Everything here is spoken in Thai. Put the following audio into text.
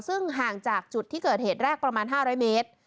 ซึ่งห่างจากจุดที่เกิดเหตุแรกประมาณ๕๐๐เมตร